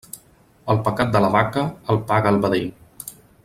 El pecat de la vaca, el paga el vedell.